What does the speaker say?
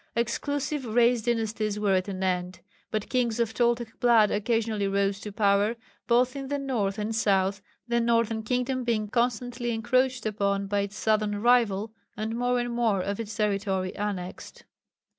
Exclusive race dynasties were at an end, but kings of Toltec blood occasionally rose to power both in the north and south, the northern kingdom being constantly encroached upon by its southern rival, and more and more of its territory annexed.